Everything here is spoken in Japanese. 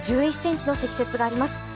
１１ｃｍの積雪があります。